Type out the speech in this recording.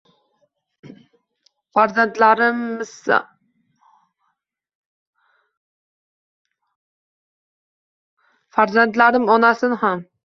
Farzandlarimonasin ham